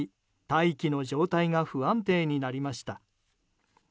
大気の状態が不安定になりました。